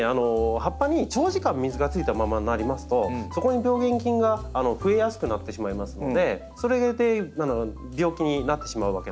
葉っぱに長時間水がついたままになりますとそこに病原菌がふえやすくなってしまいますのでそれで病気になってしまうわけなんです。